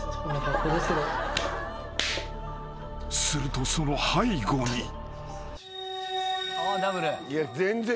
［するとその背後に］